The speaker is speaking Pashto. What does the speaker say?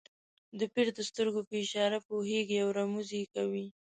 د پیر د سترګو په اشاره پوهېږي او رموز یې کوي.